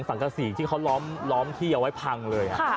สังกษีที่เขาล้อมที่เอาไว้พังเลย